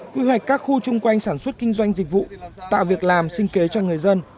quy hoạch các khu chung quanh sản xuất kinh doanh dịch vụ tạo việc làm sinh kế cho người dân